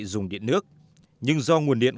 dùng điện nước nhưng do nguồn điện